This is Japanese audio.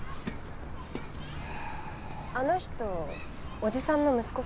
あの人おじさんの息子さん？